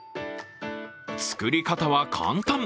作り方は簡単。